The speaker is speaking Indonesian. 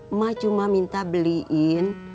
emak cuma minta beliin